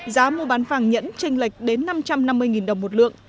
giá mua bán vàng nhẫn tranh lệch đến năm trăm năm mươi đồng một lượng